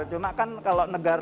cuma kan kalau negara